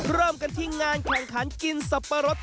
เริ่มกันที่งานแข่งขันกินสับปะรด